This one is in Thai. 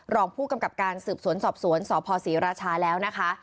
รองผู้กำกับการสืบสวนสอบสวนสพศรีราชาแล้วนะคะ